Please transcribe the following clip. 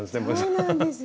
そうなんですよ